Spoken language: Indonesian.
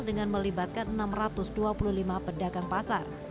dengan melibatkan enam ratus dua puluh lima pedagang pasar